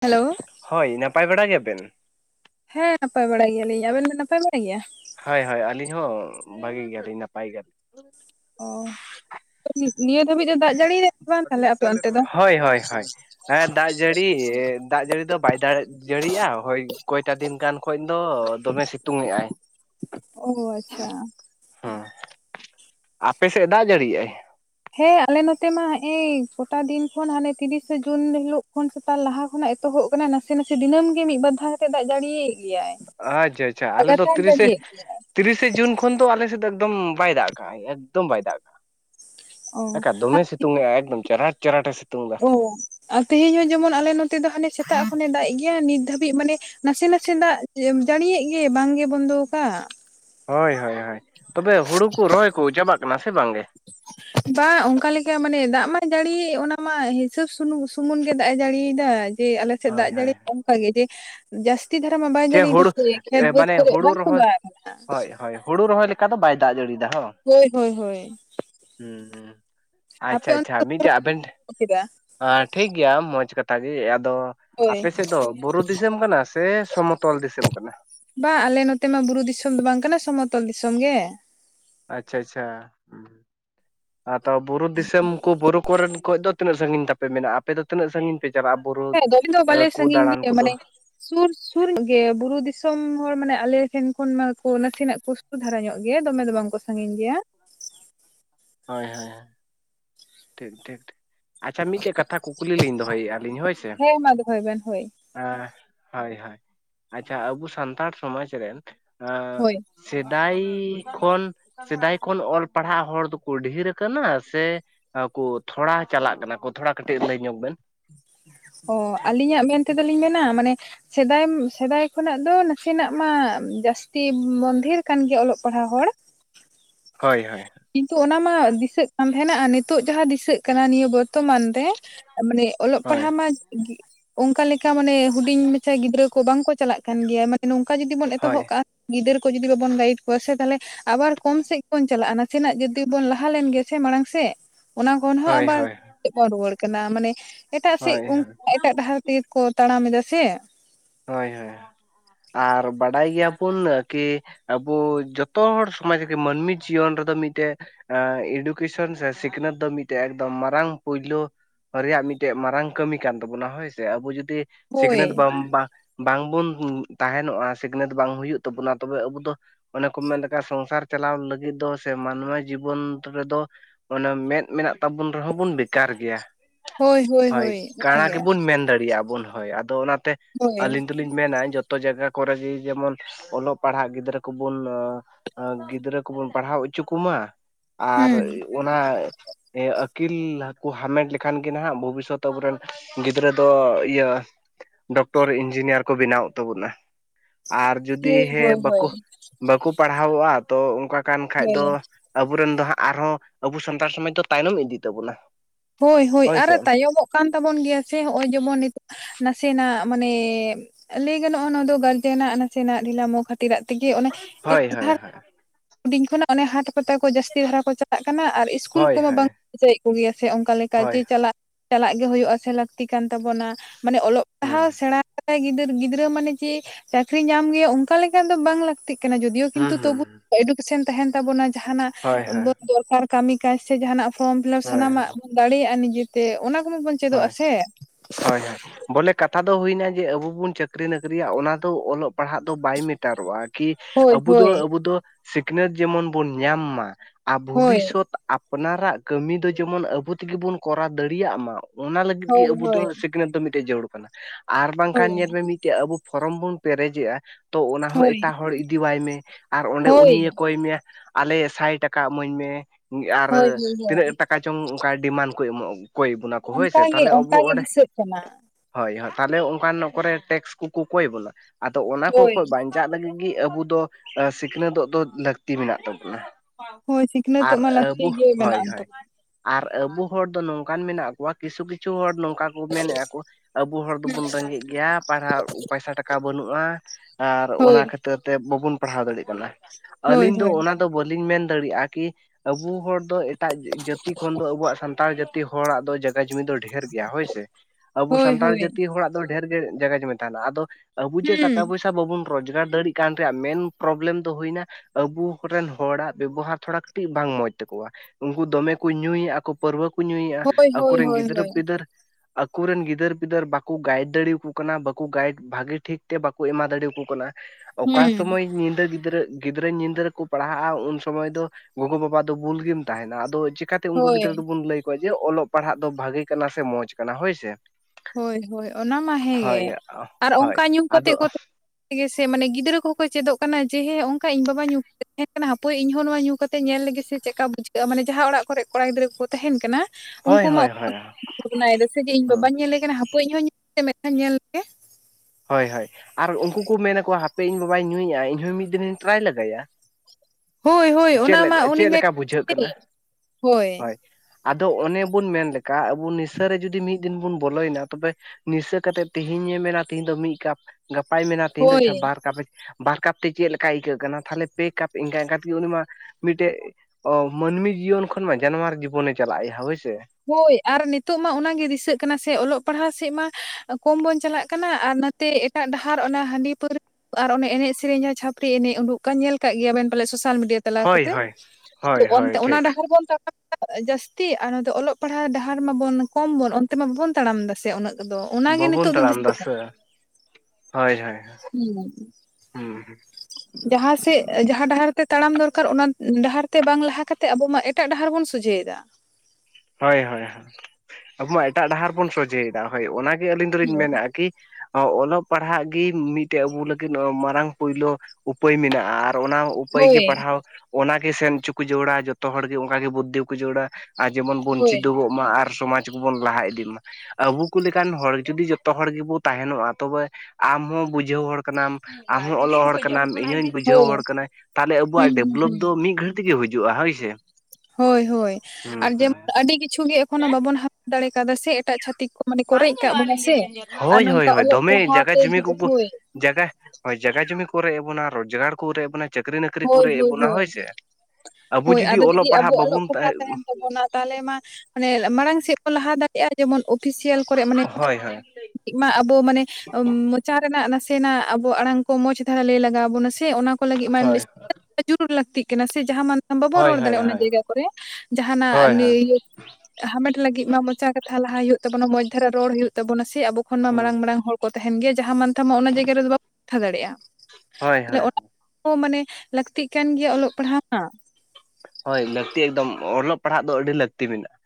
Hello. ᱦᱳᱭ ᱱᱟᱯᱟᱭ ᱵᱟᱲᱟ ᱜᱮᱭᱟᱵᱮᱱ᱾ ᱦᱮᱸ, ᱱᱟᱯᱟᱭ ᱵᱟᱲᱟᱟᱭ ᱜᱮᱭᱟᱞᱤᱧ ᱟᱵᱮᱱ ᱯᱮ ᱱᱟᱯᱟᱭ ᱵᱟᱲᱟ ᱜᱮᱭᱟ᱾ ᱦᱳᱭ ᱦᱳᱭ ᱟᱹᱞᱤᱧ ᱦᱚᱸ ᱵᱷᱟᱹᱜᱤ ᱜᱮᱭᱟᱞᱤᱧ ᱱᱟᱯᱟᱭ ᱜᱮᱭᱟᱞᱤᱧ᱾ ᱚᱦ ᱱᱤᱭᱟᱹ ᱫᱷᱟᱹᱵᱤᱡ ᱫᱚ ᱫᱟᱜ ᱡᱟᱹᱲᱤᱮᱫᱟᱭ ᱥᱮ ᱵᱟᱝ ᱛᱟᱦᱞᱮ ᱟᱯᱮ ᱚᱱᱛᱮ ᱫᱚ᱾ ᱦᱳᱭ ᱦᱳᱭ ᱦᱳᱭ᱾ ᱦᱮᱸ ᱫᱟᱜ ᱡᱟᱹᱲᱤ ᱫᱟᱜ ᱡᱟᱹᱲᱤ ᱫᱚ ᱵᱟᱭ ᱫᱟᱜ ᱡᱟᱹᱲᱤᱼᱟ ᱦᱳᱭ ᱚᱠᱚᱭᱴᱟ ᱫᱤᱱ ᱜᱟᱱᱼᱼ ᱠᱷᱚᱱ ᱫᱚ ᱫᱚᱢᱮ ᱥᱤᱛᱩᱝ ᱮᱜ ᱟᱭ᱾ ᱚ ᱟᱪᱪᱷᱟ᱾ ᱦᱮᱸ, ᱟᱯᱮ ᱥᱮᱫ ᱫᱟᱜ ᱡᱟᱹᱲᱤᱭᱮᱜᱼᱟᱭ᱾ ᱦᱮᱸ ᱟᱞᱮ ᱱᱚᱛᱮ ᱢᱟ ᱦᱮᱸ ᱮ ᱜᱚᱴᱟ ᱫᱤᱱ ᱠᱷᱚᱱ ᱦᱟᱱᱮ ᱛᱤᱨᱤᱥᱮ ᱡᱩᱱ ᱦᱤᱞᱳᱜ ᱠᱷᱚᱱᱼᱼ ᱛᱟᱨ ᱞᱟᱦᱟ ᱠᱷᱚᱱᱟᱜ ᱮᱛᱚᱦᱚᱵ ᱟᱠᱟᱱᱟ ᱱᱟᱥᱮ ᱱᱟᱥᱮ ᱫᱤᱱᱟᱹᱢ ᱜᱮ ᱢᱤᱫ ᱵᱟᱨᱫᱷᱟᱣ ᱠᱟᱛᱮ ᱫᱟᱜ ᱡᱟᱹᱲᱤᱼᱼ ᱜᱮᱭᱟᱭ [inaudible] ᱟᱪᱪᱷᱟ ᱟᱪᱪᱷᱟ ᱟᱞᱮ ᱫᱚ ᱛᱤᱨᱤᱥᱮ ᱛᱤᱨᱤᱥᱮ ᱡᱩᱱ ᱠᱷᱚᱱ ᱫᱚ, ᱟᱞᱮᱥᱮᱫ ᱫᱚ, ᱮᱠᱫᱚᱢ ᱵᱟᱭ ᱫᱟᱜ ᱟᱠᱟᱜᱼᱟᱭ, ᱮᱠᱫᱚᱢ ᱵᱟᱭ ᱫᱟᱜ ᱟᱠᱟᱜᱼᱟᱭ ᱚ ᱮᱱᱠᱷᱟ, ᱫᱚᱢᱮ ᱥᱤᱛᱩᱝ ᱮᱼᱟᱭ, ᱮᱠᱫᱚᱢ ᱪᱟᱨᱟᱴ ᱪᱟᱨᱟᱴᱼᱮ ᱥᱤᱛᱩᱝ ᱫᱟ ᱚ, ᱛᱮᱦᱮᱧ ᱦᱚᱸ ᱡᱮᱢᱚᱱ, ᱟᱞᱮ ᱱᱚᱛᱮ ᱫᱚ, ᱦᱟᱱᱮ ᱥᱮᱛᱟᱜ ᱠᱷᱚᱱᱮ, ᱫᱟᱜ ᱜᱮ ᱟᱭ, ᱱᱤᱛ ᱫᱷᱟᱹᱵᱤᱡ, ᱢᱟᱱᱮ ᱱᱟᱥᱮ ᱱᱟᱥᱮ ᱫᱟᱜ ᱡᱟᱹᱲᱤᱼᱭᱮᱫ ᱜᱮᱭᱟ, ᱵᱟᱝ ᱜᱮ ᱵᱚᱱᱫᱚ ᱟᱠᱟᱫ ᱦᱳᱭ ᱦᱳᱭ ᱦᱳᱭ, ᱛᱚᱵᱮ ᱦᱩᱲᱩ ᱠᱚ, ᱨᱚᱦᱚᱭ ᱠᱚ, ᱪᱟᱵᱟᱜ ᱠᱟᱱᱟ ᱥᱮ, ᱵᱟᱝ ᱜᱮ? ᱵᱟᱸ, ᱚᱱᱠᱟ ᱠᱮᱠᱟ ᱢᱟᱱᱮ, ᱫᱟᱜ ᱢᱟ, ᱡᱟᱹᱲᱤ ᱭᱮᱫ, ᱚᱱᱟ ᱢᱟ, ᱦᱤᱥᱟᱹᱵ ᱥᱩᱱᱩ ᱥᱩᱢᱩᱱ ᱠᱮ, ᱫᱟᱜᱼ ᱮ ᱡᱟᱹᱲᱤ ᱭᱮᱫᱟ, ᱡᱮ ᱟᱞᱮ ᱥᱮᱫ, ᱦᱳᱭ ᱫᱟᱜ ᱦᱳᱭ ᱡᱟᱹᱲᱤ, ᱚᱱᱠᱟ ᱜᱮ, ᱡᱮ ᱡᱟᱹᱥᱛᱤ ᱡᱟᱥᱛᱤ ᱫᱷᱟᱨᱟ ᱢᱟ, ᱵᱟᱭ ᱪᱮ ᱡᱟᱲᱤ ᱦᱩᱲᱩ ᱮᱫᱟᱭ ᱠᱷᱮᱛ ᱵᱟᱹᱫᱽ ᱢᱟᱱᱮ ᱠᱚᱨᱮ, ᱦᱩᱲᱩ ᱵᱟᱝ ᱨᱚᱦᱚᱭ ᱛᱚᱢᱵᱟ ᱟᱠᱟᱱᱟ ᱾ ᱦᱳᱭ ᱦᱳᱭ! ᱦᱩᱲᱩ ᱨᱚᱦᱚᱭ ᱞᱮᱠᱟ ᱫᱚ, ᱵᱟᱭ ᱫᱟᱜ ᱡᱟᱹᱲᱤᱭ ᱮᱫᱟ, ᱦᱚᱸ ᱾ ᱟᱤᱭ ᱦᱳᱭ, ᱦᱳᱭ, ᱾ ᱦᱮᱸᱦᱮᱸ ᱟᱻᱪᱪᱷᱟ ᱚᱱᱛᱮ ᱟᱪᱪᱷᱟ, ᱫᱚ ᱢᱤᱫᱴᱟᱜ ᱟᱵᱷᱮᱱᱴᱷ ᱠᱮᱫᱟ ᱦᱟᱸ ᱴᱷᱤᱠ ᱜᱮᱭᱟ, ᱢᱚᱡᱽ ᱠᱟᱛᱷᱟ ᱜᱮ, ᱟᱫᱚ ᱦᱳᱭ ᱟᱯᱮ ᱥᱮᱫ ᱫᱚ, ᱵᱩᱨᱩ ᱫᱤᱥᱚᱢ ᱠᱟᱱᱟ, ᱥᱮ? ᱥᱚᱢᱚᱛ ᱫᱤᱥᱚᱢ ᱠᱟᱱᱟ ᱾ ᱵᱟᱸ ᱟᱞᱮ ᱱᱚᱛᱮ ᱢᱟ, ᱵᱩᱨᱩ ᱫᱤᱥᱚᱢ ᱫᱚ, ᱵᱟᱝ ᱠᱟᱱᱟ, ᱥᱚᱢᱚᱛᱚᱞ ᱫᱤᱥᱚᱢ ᱜᱮ ᱾ ᱟᱼᱪᱪᱷᱟ ᱪᱪᱷᱟ ᱟᱪᱪᱟ ᱾ ᱟᱫᱚ, ᱵᱩᱨᱩ ᱫᱤᱥᱚᱢ ᱠᱚ, ᱵᱩᱨᱩ ᱠᱚᱨᱮᱱ ᱠᱷᱚᱡ ᱫᱚ, ᱛᱤᱱᱟᱹᱜ ᱥᱟᱺᱜᱤᱧ ᱛᱟᱯᱮ ᱢᱮᱱᱟᱜᱼᱟ? ᱟᱯᱮ ᱛᱚ ᱛᱤᱱᱟᱹᱜ ᱥᱟᱺᱜᱤᱧ ᱯᱮ, ᱪᱟᱞᱟᱜ-ᱟ, ᱵᱩᱨᱩ ᱦᱮᱸ ᱫᱚᱢᱮ ᱫᱚ ᱵᱟᱞᱮ ᱠᱚ ᱥᱟᱺᱜᱤᱧ ᱫᱟᱬᱟᱱ ᱜᱮ ᱠᱚᱫᱚ, ᱢᱟᱱᱮ ᱥᱩᱨ ᱥᱩᱨ ᱜᱮ, ᱵᱩᱨᱩ ᱫᱤᱥᱚᱢ ᱦᱚᱲ ᱢᱟᱱᱮ, ᱟᱞᱮ ᱴᱷᱮᱱ ᱠᱷᱚᱱ, ᱢᱟᱠᱚ ᱱᱟᱥᱮᱱᱟᱜ, ᱠᱩ ᱥᱩᱨ ᱫᱷᱟᱨᱟ, ᱧᱚᱜ ᱜᱮᱭᱟ, ᱫᱚᱢᱮ ᱫᱚ, ᱵᱟᱝ ᱠᱚ ᱥᱟᱹᱜᱤᱧ ᱜᱮᱭᱟ ᱾ ᱦᱳᱭ ᱦᱳᱭ, ᱴᱷᱤᱠ ᱴᱷᱤᱠ ᱴᱷᱤᱠ ᱾ ᱟᱪᱪᱷᱟ! ᱢᱤᱫᱴᱮᱡ ᱠᱟᱛᱷᱟ ᱠᱩᱠᱞᱤ ᱞᱤᱧ, ᱫᱚᱦᱚᱭᱮᱜᱼᱟ ᱞᱤᱧ, ᱦᱳᱭ ᱥᱮ! ᱦᱮᱸ ᱢᱟ ᱫᱚᱦᱚᱭ ᱵᱮᱱ ᱦᱳᱭ ᱟᱦ ᱦᱳᱭ ᱦᱳᱭ, ᱟᱪᱪᱷᱟ, ᱟᱵᱩ ᱥᱟᱱᱛᱟᱲ ᱥᱚᱢᱟᱡᱽ ᱨᱮᱱ ᱦᱳᱭ ᱥᱮᱫᱟᱭ ᱠᱷᱚᱱ, ᱥᱮᱫᱟᱭ ᱠᱷᱚᱱ ᱚᱞ ᱯᱟᱲᱦᱟᱜ ᱦᱚᱲ ᱫᱚ ᱠᱩ, ᱰᱷᱤᱨ ᱟᱠᱟᱱᱟ, ᱥᱮ ᱠᱩ ᱛᱷᱚᱲᱟ ᱪᱟᱞᱟᱜ ᱠᱟᱱᱟ ᱠᱚ? ᱛᱷᱚᱲᱟ ᱠᱟᱹᱴᱤᱡ, ᱞᱟᱹᱭ ᱧᱚᱜ ᱵᱮᱱ? ᱚ ᱟᱹᱞᱤᱧᱟᱜ ᱢᱮᱱ ᱛᱮ ᱫᱚ, ᱞᱤᱧ ᱢᱮᱱᱟ, ᱢᱟᱱᱮ ᱥᱮᱫᱟᱭ, ᱥᱮᱫᱟᱭ ᱠᱷᱚᱱᱟᱜ ᱫᱚ, ᱱᱟᱥᱮᱱᱟᱜ ᱢᱟ, ᱡᱟᱹᱥᱛᱤ ᱵᱚᱱ ᱫᱷᱮᱨ ᱠᱟᱱ ᱜᱮᱭᱟ, ᱚᱞᱚᱜ ᱯᱟᱲᱦᱟᱜ ᱦᱚᱲ ᱾ ᱦᱳᱭ ᱦᱳᱭ, ᱾ ᱠᱤᱱᱛᱩ ᱚᱱᱟ ᱢᱟ, ᱫᱤᱥᱟᱹᱜ ᱠᱟᱱ ᱛᱟᱦᱮᱸᱱᱟ ᱾ ᱱᱤᱛᱚᱜ ᱡᱟᱦᱟᱸ ᱫᱤᱥᱟᱹᱜ ᱠᱟᱱᱟ, ᱱᱤᱭᱟᱹ ᱵᱟ, ᱫ ᱛᱚᱢᱟᱱ ᱨᱮ, ᱢᱟᱱᱮ, ᱚᱞᱚᱜ ᱦᱳᱭ ᱯᱟᱲᱦᱟᱣ ᱢᱟ, ᱤᱜᱤᱜ, ᱚᱱᱠᱟ ᱞᱮᱠᱟ ᱢᱟᱱᱮ, ᱦᱩᱰᱤᱧ ᱢᱟᱪᱷᱟ ᱜᱤᱫᱽᱨᱟᱹ ᱠᱚ ᱵᱟᱝ ᱠᱚ, ᱪᱟᱞᱟᱜ ᱠᱟᱱ ᱜᱮᱭᱟ, ᱢᱟᱱᱮ ᱱᱚᱝᱠᱟ ᱡᱩᱫᱤ ᱵᱚᱱ, ᱦᱳᱭ ᱮᱛᱚᱦᱚᱵ ᱠᱟᱜᱼᱟ, ᱜᱤᱫᱟᱹᱨ ᱠᱚ, ᱡᱩᱫᱤ ᱵᱟᱵᱚᱱ ᱜᱟᱭᱤᱰ ᱠᱚᱣᱟ, ᱥᱮ, ᱛᱟᱦᱚᱞᱮ ᱟᱵᱟᱨ ᱠᱚᱢ ᱥᱮᱫ, ᱵᱚᱱ ᱪᱟᱞᱟᱜᱼᱟ ᱾ ᱥᱮᱱᱟᱜ ᱡᱩᱫᱤ ᱵᱚᱱ, ᱞᱟᱦᱟ ᱞᱮᱱ ᱜᱮᱭᱟ ᱥᱮ, ᱢᱟᱲᱟᱝ ᱥᱮᱫ, ᱚᱱᱟ ᱠᱷᱚᱱ ᱦᱚᱸ, ᱦᱳᱭ ᱟᱵᱟᱨ ᱦᱳᱭ ᱥᱮᱫ ᱵᱚᱱ ᱨᱩᱣᱟᱹᱲ ᱠᱟᱱᱟ ᱾ ᱢᱟᱱᱮ ᱮᱴᱟᱜ ᱥᱮᱫ, ᱦᱳᱭ ᱮᱴᱟᱜ ᱰᱟᱦᱟᱨ ᱛᱮᱜᱮ ᱠᱚ, ᱛᱟᱲᱟᱢ ᱮᱫᱟ ᱥᱮ ᱾ ᱦᱳᱭ ᱦᱳᱭ, ᱟᱨ ᱵᱟᱰᱟᱭ ᱜᱮᱭᱟ ᱵᱚᱱ, ᱠᱤ ᱟᱵᱚ, ᱡᱚᱛᱚ ᱦᱚᱲ ᱥᱚᱢᱟᱡᱽ ᱨᱮᱜᱮ, ᱢᱟᱹᱱᱢᱤ ᱡᱤᱭᱚᱱ ᱨᱮᱫᱚ, ᱢᱤᱫᱴᱮᱡ ᱮᱰᱩᱠᱮᱥᱚᱱ ᱥᱮ, ᱥᱤᱠᱷᱱᱟᱹᱛ ᱫᱚ, ᱢᱤᱫᱴᱮᱡ ᱮᱠᱫᱚᱢ, ᱢᱟᱨᱟᱝ ᱯᱳᱭᱞᱳ ᱨᱮᱭᱟᱜ, ᱢᱤᱫᱴᱮᱡ ᱢᱟᱨᱟᱝ ᱠᱟᱹᱢᱤ ᱠᱟᱱ ᱛᱟᱵᱚᱱᱟ, ᱦᱳᱭ ᱥᱮ ᱾ ᱟᱵᱚ ᱡᱩᱫᱤ ᱦᱳᱭ ᱥᱤᱠᱷᱱᱟᱹᱛ ᱵᱟᱢ, ᱵᱟ ᱵᱟᱝ ᱵᱚᱱ ᱛᱟᱦᱮᱸ ᱱᱚᱜᱼᱟ, ᱥᱤᱠᱷᱱᱟᱹᱛ ᱵᱟᱝ ᱦᱩᱭᱩᱜ ᱛᱟᱵᱚᱱᱟ, ᱛᱚᱵᱮ, ᱟᱵᱩ ᱫᱚ ᱚᱱᱮ ᱠᱚ, ᱢᱮᱱ ᱞᱮᱠᱟ ᱥᱚᱝᱥᱟᱨ ᱪᱟᱞᱟᱣ ᱞᱟᱹᱜᱤᱫ ᱫᱚ, ᱥᱮ, ᱢᱟᱱᱣᱟ ᱡᱤᱵᱚᱱ ᱨᱮᱫᱚ ᱚᱱᱮ, ᱢᱮᱫ ᱢᱮᱱᱟᱜ ᱛᱟᱵᱩᱱ ᱨᱮᱦᱚᱸ, ᱵᱚᱱ ᱵᱮᱠᱟᱨ ᱜᱮᱭᱟ ᱾ ᱦᱳᱭ! ᱠᱟᱸᱬᱟ ᱜᱮ ᱵᱩᱱ ᱢᱮᱱ ᱫᱟᱲᱤᱭᱟᱜᱼᱟ, ᱵᱚᱱ ᱦᱳᱭ, ᱟᱫᱚ ᱚᱱᱟ ᱛᱮ, ᱦᱳᱭ ᱟᱹᱞᱤᱧ ᱫᱩᱞᱤᱧ ᱢᱮᱱᱟᱧ ᱡᱚᱛᱚ ᱡᱟᱭᱜᱟ ᱠᱚᱨᱮ ᱜᱮ, ᱡᱮᱢᱚᱱ, ᱚᱞᱚᱜ ᱯᱟᱲᱦᱟᱜ ᱜᱤᱫᱽᱨᱟᱹ ᱠᱩ ᱵᱚᱱ ᱜᱤᱫᱽᱨᱟᱹ ᱠᱚᱵᱩᱱ, ᱯᱟᱲᱦᱟᱣ ᱩᱪᱩ ᱠᱚᱢᱟ, ᱟᱨ ᱦᱩᱸ ᱚᱱᱟ ᱟᱹᱠᱤᱞ ᱠᱚ ᱦᱟᱢᱮᱴ ᱞᱮᱠᱷᱟᱱ ᱜᱮ, ᱱᱷᱟᱜ ᱵᱷᱚᱵᱤᱥᱚᱛ ᱟᱵᱩ ᱨᱮᱱ ᱜᱤᱫᱽᱨᱟᱹ ᱫᱚ ᱤᱭᱟᱹᱼᱼ ᱰᱚᱠᱴᱚᱨ ᱤᱧᱡᱤᱱᱤᱭᱟᱨ ᱠᱚ ᱵᱮᱱᱟᱣᱚᱜ ᱛᱟᱵᱩᱱᱟ ᱾ ᱟᱨ ᱡᱩᱫᱤ ᱦᱳᱭ ᱦᱮᱸ ᱦᱳᱭ ᱦᱳᱭ ᱵᱟᱠᱚᱼᱼ ᱵᱟᱠᱩ ᱯᱟᱲᱦᱟᱣᱚᱜᱼᱟ ᱛᱚ ᱚᱱᱠᱟ ᱠᱟᱱ ᱠᱷᱟᱡ ᱦᱳᱭ ᱫᱚᱼᱼ ᱟᱵᱩᱨᱮᱱ ᱫᱚ ᱦᱟᱸᱜ ᱟᱨᱦᱚᱸ ᱟᱵᱩ ᱥᱟᱱᱛᱟᱲ ᱥᱚᱢᱟᱡᱽ ᱫᱚ ᱛᱟᱭᱱᱚᱢ ᱤᱫᱤᱜ ᱛᱟᱵᱩᱱᱟ ᱾ ᱦᱳᱭ ᱦᱳᱭ, ᱟᱨᱚ ᱛᱟᱭᱚᱢᱚᱜ ᱠᱟᱱ ᱛᱟᱵᱚᱱ ᱜᱮᱭᱟ ᱥᱮ ᱦᱚᱸᱜᱼᱚᱭ ᱡᱮᱢᱚᱱ ᱱᱤᱛᱚᱜᱼᱼ ᱱᱟᱥᱮ ᱱᱟᱜ ᱢᱟᱱᱮᱼᱼ ᱞᱟᱹᱭ ᱜᱟᱱᱚᱜᱼᱟ ᱱᱚᱣᱟ ᱫᱚ ᱜᱟᱨᱡᱮᱱᱟᱜ ᱱᱟᱥᱮ ᱱᱟᱜ ᱰᱷᱤᱞᱟᱢᱳ ᱠᱷᱟᱹᱛᱤᱨᱟᱜ ᱛᱮ ᱜᱮ ᱳᱱᱮᱼᱼ ᱦᱳᱭ ᱦᱳᱭ ᱮᱴᱟᱜ ᱫ ᱦᱳᱭ [inaudible] ᱦᱩᱰᱤᱧ ᱠᱷᱚᱱᱟᱜ ᱚᱱᱮ ᱦᱟᱴ ᱯᱟᱛᱟ ᱠᱚ ᱡᱟᱹᱥᱛᱤ ᱫᱷᱟᱨᱟ ᱠᱚ ᱪᱟᱞᱟᱜ ᱠᱟᱱᱟ ᱟᱨᱼᱼ ᱥᱠᱩᱞ ᱠᱚᱢᱟ ᱦᱳᱭ ᱵᱟᱝ ᱵᱷᱮᱡᱟᱭ ᱮᱫ ᱠᱚ ᱜᱮᱭᱟ ᱥᱮ ᱚᱱᱠᱟ ᱞᱮᱠᱟ ᱦᱳᱭ ᱡᱮ ᱪᱟᱞᱟᱜᱼᱼ ᱪᱟᱞᱟᱜ ᱜᱮ ᱦᱩᱭᱩᱜᱼᱟ ᱥᱮ ᱞᱟᱹᱠᱛᱤ ᱠᱟᱱ ᱛᱟᱵᱚᱱᱟ ᱾ ᱢᱟᱱᱮ ᱚᱞ ᱦᱩᱸ ᱯᱟᱲᱦᱟᱣ ᱥᱮᱬᱟᱼᱼ ᱜᱤᱫᱟᱹᱨ ᱜᱤᱫᱽᱨᱟᱹ ᱢᱟᱱᱮ ᱡᱮ ᱪᱟᱹᱠᱨᱤ ᱧᱟᱢ ᱜᱮᱭᱟ ᱚᱱᱠᱟ ᱞᱮᱠᱟ ᱫᱚ ᱵᱟᱝ ᱞᱟᱜᱟᱜᱼᱼ ᱞᱟᱹᱠᱛᱤᱜ ᱠᱟᱱᱟ ᱡᱳᱫᱤᱭᱳ ᱠᱤᱱᱛᱩ ᱦᱩᱸ ᱦᱩᱸ ᱛᱳᱰᱩ ᱦᱩᱸ ᱮᱰᱩᱠᱮᱥᱚᱱ ᱛᱟᱦᱮᱸᱱ ᱛᱟᱵᱚᱱᱟ ᱡᱟᱦᱟᱸ ᱱᱟᱜ ᱦᱳᱭ ᱦᱳᱭ ᱵᱚ ᱫᱚᱨᱠᱟᱨᱼᱼ ᱠᱟᱹᱢᱤ ᱠᱟᱡᱽ ᱥᱮ ᱡᱟᱦᱟᱸ ᱱᱟᱜ ᱯᱷᱨᱚᱢ ᱯᱷᱤᱞᱟᱯ ᱦᱳᱭ ᱥᱟᱱᱟᱢᱟᱜ ᱵᱚᱱ ᱫᱟᱲᱮᱭᱟᱜᱼᱟ ᱱᱤᱡᱮᱛᱮ ᱾ ᱚᱱᱟ ᱠᱚᱢᱟ ᱵᱚᱱ ᱦᱳᱭ ᱪᱮᱫᱚᱜᱼᱟ ᱥᱮ ᱾ ᱦᱳᱭ ᱦᱳᱭ ᱵᱚᱞᱮ ᱠᱟᱛᱷᱟ ᱫᱚ ᱦᱩᱭᱱᱟ ᱡᱮ ᱟᱵᱩ ᱵᱚᱱ ᱪᱟᱹᱠᱨᱤ ᱱᱚᱠᱨᱤᱭᱟ ᱚᱱᱟ ᱫᱚ ᱚᱞᱚᱜ ᱯᱟᱲᱦᱟᱜ ᱫᱚ ᱵᱟᱭ ᱢᱮᱴᱟᱨᱚᱜᱼᱟ ᱾ ᱠᱤ ᱦᱳᱭ ᱟᱵᱩ ᱫᱚ ᱦᱳᱭ ᱟᱵᱩ ᱫᱚ ᱥᱤᱠᱷᱱᱟᱹᱛ ᱡᱮᱢᱚᱱ ᱵᱚᱱ ᱧᱟᱢ ᱢᱟ, ᱟᱨ ᱦᱳᱭ ᱵᱷᱚᱵᱤᱥᱥᱚᱛᱼᱼ ᱟᱯᱱᱟᱨᱟᱜ ᱠᱟᱹᱢᱤ ᱫᱚ ᱡᱮᱢᱚᱱ ᱟᱵᱩ ᱛᱮ ᱜᱮ ᱵᱩᱱ ᱠᱚᱨᱟᱣ ᱫᱟᱲᱤᱭᱟᱜ ᱢᱟ ᱾ ᱚᱱᱟ ᱞᱟᱹᱜᱤᱫ ᱜᱮ ᱦᱳᱭ ᱟᱵᱩ ᱫᱚ ᱦᱳᱭ ᱥᱤᱠᱷᱱᱟᱹᱛ ᱫᱚ ᱢᱤᱫᱴᱮᱡ ᱡᱟᱹᱨᱩᱲ ᱠᱟᱱᱟ ᱟᱨ ᱦᱳᱭ ᱵᱟᱝᱠᱷᱟᱱ ᱧᱮᱞ ᱢᱮ ᱢᱤᱫᱼᱼ ᱴᱮᱡ ᱟᱵᱩ ᱯᱷᱚᱨᱚᱢ ᱵᱚᱱ ᱯᱮᱨᱮᱡᱮᱜᱼᱟ ᱛᱚ ᱚᱱᱟ ᱦᱚᱸ ᱦᱳᱭ ᱮᱴᱟᱜ ᱦᱚᱲ ᱤᱫᱤᱣᱟᱭ ᱢᱮ ᱾ ᱟᱨ ᱚᱸᱰᱮ ᱦᱳᱭ ᱩᱱᱤᱭᱮ ᱠᱚᱭ ᱢᱮᱭᱟ ᱟᱞᱮ ᱥᱟᱭ ᱴᱟᱠᱟ ᱤᱢᱟᱹᱧ ᱢᱮ ᱟᱨ ᱦᱳᱭ ᱦᱳᱭ ᱦᱳᱭ ᱛᱤᱱᱟᱹᱜ ᱴᱟᱠᱟᱼᱼ ᱪᱚᱝ ᱚᱱᱠᱟ ᱰᱤᱢᱟᱱᱰ ᱠᱩ ᱮᱢᱚᱜ ᱠᱚᱭ ᱵᱩᱱᱟ ᱠᱚ ᱦᱳᱭ ᱥᱮ ᱚᱱᱠᱟᱜᱮ ᱛᱟᱦᱞᱮ ᱟᱵᱚ ᱚᱱᱠᱟᱜᱮ ᱚᱸᱰᱮᱼᱼ ᱫᱤᱥᱟᱹᱜ ᱠᱟᱱᱟ ᱦᱳᱭ ᱦᱳᱭ ᱛᱟᱦᱚᱞᱮ ᱚᱱᱠᱟᱱ ᱠᱚᱨᱮ ᱴᱮᱠᱥ ᱠᱚ ᱠᱚ ᱠᱚᱭ ᱵᱚᱱᱟ ᱟᱫᱚ ᱚᱱᱟ ᱠᱚ ᱦᱳᱭ ᱠᱷᱚᱡ ᱵᱟᱸᱧᱼᱼ ᱪᱟᱜ ᱞᱟᱹᱜᱤᱫ ᱜᱮ ᱟᱵᱩ ᱫᱚ ᱥᱤᱠᱷᱱᱟᱹᱛᱚᱜ ᱫᱚ ᱞᱟᱹᱠᱛᱤ ᱢᱮᱱᱟᱜ ᱛᱟᱵᱩ ᱱᱟ᱾ ᱦᱳᱭ ᱥᱤᱠᱷᱱᱟᱹᱛᱚᱜ ᱟᱨ ᱢᱟ ᱞᱟᱹᱠᱛᱤ ᱟᱵᱩ ᱜᱮ ᱦᱚᱭ ᱢᱮᱱᱟᱜᱼᱟᱱ ᱦᱚᱭ ᱛᱟᱵᱚᱱ ᱟᱨ ᱟᱵᱩ ᱦᱚᱲ ᱫᱚ ᱱᱚᱝᱠᱟᱱ ᱢᱮᱱᱟᱜ ᱠᱚᱣᱟ ᱠᱤᱪᱷᱩ ᱠᱤᱪᱷᱩ ᱦᱚᱲ ᱱᱚᱝᱠᱟᱼᱼ ᱢᱮᱱᱮᱜᱼᱟ ᱠᱚ ᱟᱵᱩ ᱦᱚᱲ ᱫᱚᱵᱚᱱ ᱨᱮᱸᱜᱮᱡ ᱜᱮᱭᱟ ᱯᱟᱲᱦᱟᱜ ᱯᱚᱭᱥᱟ ᱴᱟᱠᱟ ᱵᱟᱹᱱᱩᱜᱼᱟ ᱾ ᱟᱨ ᱚᱱᱟ ᱦᱳᱭ ᱠᱷᱟᱹᱛᱤᱨ ᱛᱮ ᱵᱟᱵᱩᱱ ᱯᱟᱲᱦᱟᱣ ᱫᱟᱲᱮᱜ ᱠᱟᱱᱟ ᱾ ᱦᱳᱭ ᱟᱹᱞᱤᱧ ᱫᱚ ᱦᱳᱭ ᱚᱱᱟᱼᱼ ᱫᱚ ᱵᱟᱞᱤᱧ ᱢᱮᱱ ᱫᱟᱲᱮᱭᱟᱜᱼᱟ ᱠᱤ ᱟᱵᱚ ᱦᱚᱲ ᱫᱚ ᱮᱴᱟᱜ ᱡᱟᱹᱛᱤ ᱠᱷᱚᱱ ᱫᱚ ᱟᱵᱚᱣᱟᱜ ᱥᱟᱱᱛᱟᱲ ᱡᱟᱹᱛᱤ ᱦᱚᱲᱟᱜ ᱫᱚ ᱜᱟ ᱡᱚᱢᱤ ᱫᱚ ᱰᱷᱮᱨ ᱜᱮᱭᱟ ᱦᱳᱭ ᱥᱮ ᱟᱵᱚ ᱦᱳᱭ ᱥᱟᱱᱛᱟᱲ ᱦᱳᱭ ᱡᱟᱹᱛᱤ ᱦᱚᱲᱟᱜ ᱫᱚ ᱰᱷᱮᱨ ᱜᱮ ᱡᱟᱭᱜᱟ ᱡᱚᱢᱤ ᱛᱟᱦᱮᱱᱟ ᱟᱫᱚ ᱟᱵᱩ ᱡᱮ ᱦᱩᱸ ᱴᱟᱠᱟ ᱯᱚᱭᱥᱟ ᱵᱟᱵᱚᱱ ᱨᱚᱡᱽᱜᱟᱨ ᱫᱟᱲᱮᱜ ᱠᱟᱱ ᱛᱟᱦᱮᱱ ᱢᱮᱱ ᱯᱨᱚᱵᱞᱮᱢ ᱫᱚ ᱦᱩᱭᱱᱟ ᱟᱵᱩ ᱠᱚᱴᱷᱮᱱ ᱦᱚᱲᱟᱜ ᱵᱮᱵᱚᱦᱟᱨ ᱛᱷᱚᱲᱟ ᱠᱟᱹᱴᱤᱡ ᱵᱟᱝ ᱢᱚᱸᱡᱽ ᱛᱟᱠᱚᱣᱟ ᱩᱱᱠᱩ ᱫᱚᱢᱮ ᱠᱚ ᱧᱩᱭᱮᱫᱼᱟ ᱠᱚ ᱯᱟᱹᱨᱣᱟᱹ ᱠᱚ ᱧᱩᱭᱮᱫᱼᱟ ᱦᱳᱭ ᱦᱳᱭ ᱟᱠᱚᱨᱮᱱ ᱦᱳᱭ ᱜᱤᱫᱽᱨᱟᱹ ᱦᱳᱭ ᱯᱤᱫᱟᱹᱨ ᱟᱠᱚᱨᱮᱱ ᱜᱤᱫᱟᱹᱨ ᱯᱤᱫᱟᱹᱨ ᱵᱟᱠᱚ ᱜᱟᱭᱤᱰ ᱫᱟᱲᱮᱭ ᱠᱚ ᱠᱩ ᱠᱟᱱᱟ ᱵᱟᱠᱚ ᱜᱟᱭᱤᱰ ᱵᱷᱟᱜᱤ ᱴᱷᱤᱠ ᱛᱮ ᱵᱟᱠᱚ ᱮᱢᱟ ᱫᱟᱲᱮᱭ ᱠᱚ ᱠᱟᱱᱟ ᱚᱠᱟ ᱦᱩᱸ ᱥᱳᱢᱚᱭ ᱧᱤᱫᱟᱹ ᱜᱤᱫᱽᱨᱟᱹ ᱜᱤᱫᱽᱨᱟᱹ ᱧᱤᱫᱟᱹ ᱠᱚ ᱯᱟᱲᱦᱟᱜᱼᱟ ᱩᱱ ᱥᱚᱢᱚᱭ ᱫᱚ ᱜᱚᱜᱚ ᱵᱟᱵᱟ ᱫᱚ ᱵᱩᱞ ᱜᱮᱢ ᱛᱟᱦᱮᱱᱟ ᱟᱫᱚ ᱪᱮᱠᱟ ᱛᱮ ᱩᱱᱠᱩ ᱦᱳᱭ ᱜᱤᱫᱽᱨᱟᱹ ᱫᱚᱵᱚᱱ ᱞᱟᱹᱭ ᱠᱚᱣᱟ ᱡᱮ ᱚᱞᱚᱜ ᱯᱟᱲᱦᱟᱜ ᱫᱚ ᱵᱷᱟᱜᱮ ᱠᱟᱱᱟ ᱥᱮ ᱢᱚᱸᱡᱽ ᱠᱟᱱᱟ ᱦᱳᱭᱥᱮ ᱦᱳᱭ ᱦᱳᱭ ᱚᱱᱟ ᱢᱟ ᱦᱮᱸᱜᱮ ᱟᱨ ᱦᱳᱭ ᱚᱱᱠᱟ ᱧᱩ ᱠᱟᱛᱮᱫ ᱟᱫᱚ ᱠᱚ ᱜᱮᱥᱮ ᱢᱟᱱᱮ ᱜᱤᱫᱽᱨᱟᱹ ᱠᱚ ᱦᱚᱸᱠᱚ ᱪᱮᱫᱚᱜ ᱠᱟᱱᱟ ᱡᱮ ᱦᱮᱸ ᱚᱱᱠᱟ ᱤᱧ ᱵᱟᱵᱟ ᱧᱩ ᱛᱟᱦᱮᱱ ᱠᱟᱱᱟ ᱦᱟᱯᱳᱭ ᱤᱧᱦᱚᱸ ᱱᱚᱣᱟ ᱧᱩ ᱠᱟᱛ ᱛᱮ ᱧᱮᱞ ᱞᱮ ᱜᱮ ᱥᱮ ᱪᱮᱫᱠᱟ ᱵᱩᱡᱟᱹᱜᱼᱟ ᱢᱟᱱᱮ ᱡᱟᱦᱟᱸ ᱚᱲᱟᱜ ᱠᱚᱨᱮ ᱠᱚᱲᱟ ᱜᱤᱫᱽᱨᱟᱹ ᱠᱚ ᱛᱟᱦᱮᱱ ᱠᱟᱱᱟ ᱦᱳᱭ ᱩᱱᱠᱩ ᱢᱟ ᱦᱳᱭ ᱦᱳᱭ ᱵᱟᱱᱟᱭ ᱫᱟ ᱥᱮ ᱤᱧ ᱵᱟᱵᱟᱧ ᱧᱮᱞᱮ ᱠᱟᱱᱟ ᱦᱟᱯᱳᱭ ᱤᱧ ᱦᱩᱧ ᱢᱤᱛ ᱫᱷᱟᱣ ᱧᱮᱞ ᱜᱮ ᱦᱳᱭ ᱦᱳᱭ ᱟᱨ ᱩᱱᱠᱩ ᱠᱚ ᱢᱮᱱᱟ ᱠᱚ ᱦᱟᱯᱮ ᱤᱧ ᱵᱟᱵᱟᱧ ᱧᱩᱭᱟᱭ ᱤᱧᱦᱚᱸ ᱢᱤᱫ ᱫᱤᱱᱤᱧ ᱴᱨᱟᱭ ᱞᱮᱜᱟᱭᱟ ᱦᱳᱭ ᱦᱳᱭ ᱪᱮᱫ ᱚᱱᱟ ᱞᱮ ᱢᱟ ᱩᱱᱤ ᱪᱮᱫ ᱢᱮᱱ ᱞᱮᱠᱟ ᱵᱩᱡᱷᱟᱹᱜ ᱠᱟᱱᱟ ᱦᱳᱭ ᱟᱫᱚ ᱚᱱᱮ ᱵᱚᱱ ᱢᱮᱱ ᱞᱮᱠᱟ ᱟᱵᱚ ᱱᱤᱥᱟᱹᱨᱮ ᱡᱩᱫᱤ ᱢᱤᱫ ᱫᱤᱱ ᱵᱚᱱ ᱵᱚᱞᱚᱭ ᱱᱟ ᱛᱚᱵᱮ ᱱᱤᱥᱟᱹ ᱠᱟᱛᱮᱫ ᱛᱤᱦᱤᱧᱮ ᱢᱮᱱᱟ ᱛᱤᱦᱤᱧ ᱫᱚ ᱢᱤᱫ ᱠᱟᱯ ᱜᱟᱯᱟᱭ ᱢᱮᱱᱟ ᱛᱮᱦᱤᱧ ᱫᱚ ᱦᱳᱭ ᱟᱪᱷᱟ ᱵᱟᱨ ᱠᱟᱯ ᱵᱟᱨ ᱠᱟᱯ ᱛᱮ ᱪᱮᱫ ᱞᱮᱠᱟᱭ ᱟᱹᱭᱠᱟᱹᱜ ᱠᱟᱱᱟ? ᱛᱟᱦᱞᱮ ᱯᱮ ᱠᱟᱯ ᱮᱸᱠᱟ ᱮᱱᱠᱷᱟᱱ ᱩᱱᱤ ᱢᱟ ᱢᱤᱫᱴᱮᱡ ᱚ ᱢᱟᱹᱱᱢᱤ ᱡᱤᱭᱚᱱ ᱠᱷᱚᱱ ᱢᱟ ᱡᱟᱱᱣᱟᱨ ᱡᱤᱵᱚᱱᱮ ᱪᱟᱞᱟ ᱟᱭ, ᱦᱳᱭ ᱥᱮ? ᱦᱳᱭ ᱟᱨ ᱱᱤᱛᱚᱜ ᱢᱟ ᱚᱱᱟᱜᱮ ᱫᱤᱥᱟᱹᱜ ᱠᱟᱱᱟ ᱥᱮ ᱚᱞᱚᱜ ᱯᱟᱲᱦᱟᱣ ᱥᱮᱫ ᱢᱟ ᱠᱚᱢ ᱵᱚᱱ ᱪᱟᱞᱟᱜ ᱠᱟᱱᱟ, ᱟᱨ ᱱᱟᱼ ᱛᱮ ᱮᱴᱟᱜ ᱰᱟᱦᱟᱨ ᱚᱱᱟ ᱦᱟᱸᱰᱤ ᱯᱟᱹᱣᱨᱟᱼ ᱟᱨ ᱚᱱᱮ ᱮᱱᱮᱡ ᱥᱮᱨᱮᱧ ᱦᱚᱸ ᱪᱷᱟᱯᱲᱤ ᱮᱱᱮᱡ, ᱩᱰᱩᱠ ᱠᱟᱱ ᱧᱮᱞ ᱠᱟᱜ ᱜᱮᱭᱟ ᱵᱮᱱ ᱯᱟᱞᱮ ᱥᱚᱥᱟᱞ ᱢᱤᱰᱤᱭᱟ ᱪᱟᱞᱟᱣ ᱦᱳᱭ ᱠᱚᱛᱮ ᱦᱳᱭ ᱛᱚ ᱦᱳᱭ ᱦᱳᱭ ᱚᱱᱛᱮ ᱚᱱᱟ ᱴᱷᱤᱠ ᱰᱟᱦᱟᱨ ᱵᱚᱱ ᱛᱲᱢ ᱡᱟᱥᱛᱤ ᱟᱨ ᱱᱚᱛᱮ ᱚᱞᱚᱜ ᱯᱟᱲᱦᱟᱣ ᱰᱟᱦᱟᱨ ᱢᱟᱵᱚᱱ ᱠᱚᱢ ᱵᱚᱱ ᱚᱱᱛᱮ ᱢᱟ ᱵᱟᱵᱚᱱ ᱛᱟᱲᱟᱢ ᱫᱟ ᱥᱮ ᱩᱱᱟᱹᱜ ᱫᱚ ᱚᱱᱟ ᱜᱮ ᱵᱟᱵᱚᱱ ᱱᱤᱛᱚᱜ ᱫᱚ ᱛᱟᱲᱟᱢ ᱫᱟ ᱫᱤᱥᱟᱹᱜ ᱥᱮ ᱠᱟᱱᱟ᱾ ᱦᱳᱭ ᱦᱳᱭ᱾ ᱦᱮᱸ ᱚᱱᱟ ᱜᱤ ᱦᱩᱸ ᱦᱩᱸ ᱡᱟᱦᱟᱸ ᱥᱮᱫ, ᱡᱟᱦᱟᱸ ᱰᱟᱦᱟᱨ ᱛᱮ ᱛᱟᱲᱟᱢ ᱫᱚᱨᱠᱟᱨ ᱚᱱᱟ ᱰᱟᱦᱟᱨ ᱛᱮ ᱵᱟᱝ ᱞᱟᱦᱟ ᱠᱟᱛᱮ ᱟᱵᱚ ᱢᱟ ᱮᱴᱼ ᱮᱴᱟᱜ ᱰᱟᱦᱟᱨ ᱵᱚᱱ ᱥᱚᱡᱷᱮᱭ ᱫᱟ, ᱦᱳᱭ ᱦᱳᱭ ᱦᱚ ᱟᱵᱚ ᱢᱟ ᱮᱴᱟᱜ ᱰᱟᱦᱟᱨ ᱵᱚᱱ ᱥᱚᱡᱷᱮᱭ ᱫᱟ ᱦᱳᱭ ᱚᱱᱟᱜᱮ ᱟᱹᱞᱤᱧ ᱫᱚᱞᱤᱧ ᱢᱮᱱᱟᱜᱼᱟ ᱠᱤᱼ ᱚᱞᱚᱜ ᱯᱟᱲᱦᱟᱜ ᱜᱤ ᱢᱤᱫᱴᱮᱡ ᱟᱵᱚ ᱞᱟᱹᱜᱤᱫ ᱦᱚᱸ ᱢᱟᱨᱟᱝ ᱯᱳᱭᱞᱳ ᱩᱯᱟᱹᱭ ᱢᱮᱱᱟᱜᱼᱟ ᱟᱨ ᱚᱱᱟ ᱩᱯᱟᱹᱭ ᱜᱮ ᱦᱳᱭ ᱯᱟᱲᱦᱟᱣ ᱚᱱᱟᱜᱮ ᱥᱮᱱ ᱦᱚᱪᱚ ᱠᱚ ᱡᱳᱲᱟ ᱡᱚᱛᱚ ᱦᱚᱲ ᱜᱮ ᱚᱱᱠᱟ ᱜᱮ ᱵᱩᱫᱽᱫᱷᱤ ᱠᱚ ᱡᱳᱲᱟ ᱟᱨ ᱡᱮᱢᱚᱱ ᱵᱚᱱ ᱦᱳᱭ ᱪᱮᱫᱚ ᱜᱚᱜ ᱢᱟ ᱟᱨ ᱥᱚᱢᱟᱡᱽ ᱵᱚᱱ ᱞᱟᱦᱟ ᱤᱫᱤ ᱢᱟ ᱟᱵᱚ ᱠᱚ ᱞᱮᱠᱟᱱ ᱦᱚᱲ ᱡᱩᱫᱤ ᱡᱚᱛᱚ ᱦᱚᱲ ᱜᱮᱵᱚ ᱛᱟᱦᱮᱱᱚᱜᱼᱟ ᱛᱚᱵᱮ ᱟᱢᱦᱚᱸ ᱵᱩᱡᱷᱟᱹᱣ ᱦᱚᱲ ᱠᱟᱱᱟᱢ ᱟᱢᱦᱚᱸ ᱚᱞᱚᱜ ᱦᱚᱲ ᱠᱟᱱᱟᱢ ᱤᱧ ᱦᱚᱸᱧ ᱵᱩᱡᱷᱟᱹᱣ ᱦᱳᱭ ᱦᱚᱲ ᱠᱟᱱᱟᱭ ᱛᱟᱦᱞᱮ ᱦᱩᱸ ᱟᱵᱚᱣᱟᱜ ᱦᱩᱸ ᱰᱮᱵᱷᱞᱚᱵ ᱦᱩᱸ ᱫᱚ ᱢᱤᱫ ᱜᱷᱟᱹᱲᱤᱡ ᱛᱮᱜᱮ ᱦᱤᱡᱩᱜᱼᱟ ᱦᱳᱭᱥᱮ᱾ ᱦᱳᱭ ᱦᱳᱭ ᱟᱨ ᱡᱮᱢᱚᱱ ᱟᱹᱰᱤ ᱠᱤᱪᱷᱩ ᱜᱮ ᱮᱠᱷᱚᱱᱳ ᱵᱟᱵᱚᱱ ᱦᱟᱛᱟᱣ ᱫᱟᱲᱮ ᱠᱟᱣᱫᱟ ᱥᱮ ᱮᱴᱟᱜ ᱪᱷᱟᱛᱤᱠ ᱠᱷᱚᱼ ᱢᱟᱱᱮ ᱠᱚ ᱨᱮᱪ ᱠᱟᱜ ᱵᱚᱱᱟ ᱥᱮ ᱟᱨ ᱦᱳᱭ ᱦᱳᱭ ᱱᱚᱝᱠᱟ ᱦᱳᱭ ᱚᱞᱚᱜ ᱫᱚᱢᱮ ᱯᱟᱲᱦᱟᱣ ᱡᱟᱜᱟ ᱛᱮ ᱡᱩᱢᱤ ᱡᱩᱫᱤ ᱠᱚᱠᱚ ᱦᱳᱭ᱾ ᱡᱟᱜᱟ ᱦᱳᱭ ᱡᱟᱭᱜᱟ ᱡᱩᱢᱤ ᱠᱚ ᱨᱮᱡ ᱮᱫᱽ ᱵᱚᱱᱟ ᱨᱳᱡᱽᱜᱟᱨ ᱠᱚ ᱨᱮᱡ ᱮᱫ ᱵᱚᱱᱟ ᱪᱟᱠᱨᱤ ᱱᱚᱠᱨᱤ ᱠᱚ ᱨᱮᱡ ᱮᱫᱽ ᱵᱚᱱᱟ ᱦᱳᱭ ᱥᱮ ᱟᱵᱚ ᱦᱳᱭ ᱡᱩᱫᱤ ᱚᱞᱚᱜ ᱯᱟᱲᱦᱟᱜ ᱵᱟᱵᱚᱱ ᱛᱟᱦᱮᱼ ᱛᱟᱦᱞᱮ ᱢᱟ ᱚᱱᱮ ᱢᱟᱲᱟᱝ ᱥᱮᱫ ᱠᱚ ᱞᱟᱦᱟ ᱫᱟᱲᱮᱭᱼᱟ ᱡᱮᱢᱚᱱ ᱚᱯᱷᱤᱥᱤᱭᱟᱞ ᱠᱚᱨᱮᱜ ᱢᱟᱱᱮ ᱦᱳᱭ ᱦᱳᱭ ᱠᱤ ᱢᱟ ᱟᱵᱚ ᱢᱟᱱᱮ ᱢᱚᱪᱟ ᱨᱮᱱᱟᱜ ᱱᱟᱥᱮ ᱱᱟᱜ ᱟᱵᱚ ᱟᱲᱟᱝ ᱠᱚ ᱢᱚᱸᱡᱽ ᱫᱷᱟᱨᱟ ᱞᱟᱹᱭ ᱞᱟᱜᱟᱣ ᱵᱚᱱᱟ ᱥᱮ ᱚᱱᱟ ᱠᱚ ᱞᱟᱹᱜᱤᱫ ᱢᱟ ᱦᱳᱭ ᱱᱤᱥᱼ ᱡᱟᱹᱨᱩᱲ ᱞᱟᱹᱠᱛᱤᱜ ᱠᱟᱱᱟ ᱥᱮ ᱡᱟᱦᱟᱸ ᱢᱟᱱ ᱵᱟᱵᱚᱱ ᱦᱳᱭ ᱨᱚᱲ ᱦᱳᱭ ᱫᱟᱲᱮᱭᱟᱜᱼᱟ ᱚᱱᱟ ᱦᱳᱭ ᱡᱟᱭᱜᱟ ᱠᱚᱨᱮ ᱡᱟᱦᱱᱟᱜ ᱦᱳᱭ ᱱᱤᱭᱟᱹ ᱤᱭᱟ. ᱼ ᱦᱟᱢᱮᱴ ᱞᱟᱹᱜᱤᱫ ᱢᱟ ᱢᱚᱪᱟ ᱠᱟᱛᱷᱟ ᱞᱟᱦᱟ ᱦᱩᱭᱩᱜ ᱛᱟᱵᱚᱱᱟ ᱢᱚᱸᱡᱽ ᱫᱷᱟᱨᱟ ᱨᱚᱲ ᱦᱩᱭᱩᱜ ᱛᱟᱵᱚᱱᱟ ᱥᱮ ᱟᱵᱚ ᱠᱷᱚᱱ ᱢᱟ ᱦᱳᱭ ᱢᱟᱲᱟᱝ ᱢᱟᱲᱟᱝ ᱦᱚᱲ ᱠᱚ ᱛᱟᱦᱮᱱ ᱜᱮᱭᱟ ᱡᱟᱦᱟᱸ ᱢᱟᱱ ᱛᱟᱸᱦᱟ ᱢᱚᱱ ᱚᱱᱟ ᱡᱟᱭᱜᱟ ᱨᱮᱫᱚ ᱵᱟᱵᱚᱱ ᱛᱟᱦᱮ ᱫᱟᱲᱮᱭᱼᱟ᱾ ᱦᱳᱭ ᱚᱱᱟ ᱦᱳᱭ [unintelligible] ᱠᱚ ᱢᱟᱱᱮ ᱞᱟᱹᱠᱛᱤᱜ ᱠᱟᱱ ᱜᱮᱭᱟ ᱚᱞᱚᱜ ᱯᱟᱲᱦᱟᱜ ᱢᱟ ᱦᱳᱭ ᱞᱟᱹᱠᱛᱤ ᱮᱠᱫᱚᱢ ᱚᱞᱚᱜ ᱯᱟᱲᱦᱟᱜ ᱫᱚ ᱟᱰᱤ ᱞᱟᱹᱠᱛᱤ ᱢᱮᱱᱟᱜᱼᱟ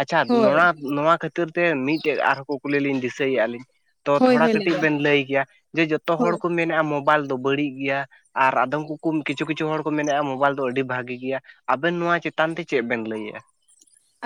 ᱟᱪᱪᱷᱟ ᱦᱳᱭ ᱱᱚᱣᱟ ᱱᱚᱣᱟ ᱠᱷᱟᱹᱼ ᱪᱤᱛᱟᱹᱨ ᱛᱮ ᱢᱤᱫ ᱴᱮᱡ ᱟᱨᱦᱚᱸ ᱠᱚ ᱠᱩᱞᱤ ᱞᱤᱧ ᱫᱤᱥᱟᱹᱭᱮᱫᱼᱟ ᱞᱤᱧ ᱛᱚ ᱛᱷᱳᱲᱟ ᱠᱟᱹᱴᱤᱡ ᱵᱮᱱ ᱞᱟᱹᱭ ᱠᱮᱭᱟ ᱡᱮ ᱡᱚᱛᱚ ᱦᱳᱭ ᱦᱚᱲ ᱠᱚ ᱢᱮᱱᱮᱫᱼᱟ ᱢᱳᱵᱟᱭᱤᱞ ᱫᱚ ᱵᱟᱹᱲᱤᱡ ᱜᱮᱭᱟ᱾ ᱟᱨ ᱟᱫᱚᱢ ᱠᱚᱠᱚ ᱠᱤᱪᱷᱩ ᱠᱤᱪᱷᱩ ᱦᱚᱲ ᱠᱚ ᱢᱮᱱᱮᱫᱼᱟ ᱢᱳᱵᱟᱭᱤᱞ ᱫᱚ ᱟᱹᱰᱤ ᱵᱷᱟᱹᱜᱮ ᱜᱮᱭᱟ᱾ ᱟᱵᱮᱱ ᱱᱚᱶᱟ ᱪᱮᱛᱟᱱ ᱛᱮ ᱪᱮᱫ ᱵᱮᱱ ᱞᱟᱹᱭᱮᱜᱼᱟ?